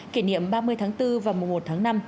kỷ niệm ba mươi tháng bốn và mùa một tháng năm